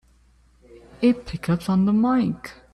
It picks up on the mike!